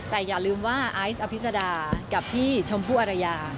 แต่อย่าลืมว่าอายุสอภิษฎากับพี่ชมพุอรัยา